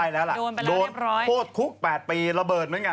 โดนไปแล้วเรียบร้อยโดนโทษคุก๘ปีระเบิดเหมือนกัน